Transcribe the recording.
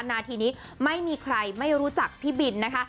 นาทีนี้ไม่มีใครไม่รู้จักพี่บินนะคะ